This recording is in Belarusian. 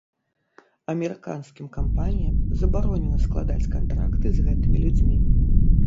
Амерыканскім кампаніям забаронена складаць кантракты з гэтымі людзьмі.